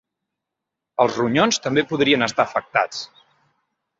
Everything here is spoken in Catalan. Els ronyons també podrien estar afectats.